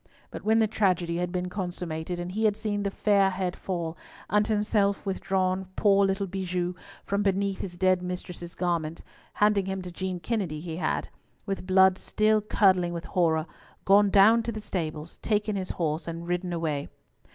But when the tragedy had been consummated, and he had seen the fair head fall, and himself withdrawn poor little Bijou from beneath his dead mistress's garment, handing him to Jean Kennedy, he had—with blood still curdling with horror—gone down to the stables, taken his horse, and ridden away.